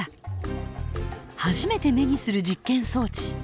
初めて目にする実験装置。